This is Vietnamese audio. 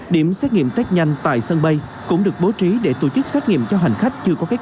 điểm xét nghiệm test nhanh tại sân bay cũng được bố trí để tổ chức xét nghiệm cho hành khách